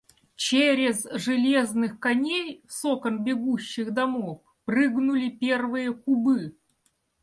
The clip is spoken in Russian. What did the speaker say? Че- рез железных коней с окон бегущих домов прыгнули первые кубы.